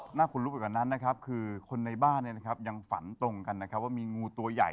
หน้าคุณรูปอีกกว่านั้นคือคนในบ้านยังฝันตรงกันว่ามีงูตัวใหญ่